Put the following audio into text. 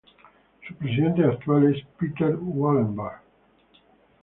Su presidente actual es Peter Wallenberg.